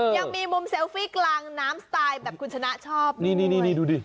ยังมีมุมเซลฟี่กลางน้ำสไตล์แบบคุณชนะชอบนี่นี่ดูดิ